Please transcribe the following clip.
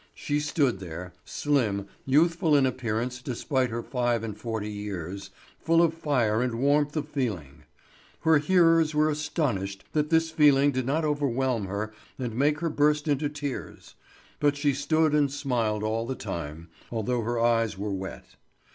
She stood there, slim, youthful in appearance despite her five and forty years, full of fire and warmth of feeling. Her hearers were astonished that this feeling did not overwhelm her and make her burst into tears; but she stood and smiled all the time, although her eyes were wet.